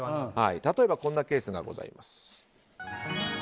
例えばこんなケースがございます。